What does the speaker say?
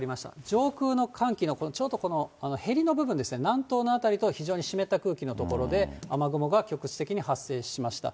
上空の寒気のこのちょうどへりの部分ですね、南東の辺りと、非常に湿った空気の所で、雨雲が局地的に発生しました。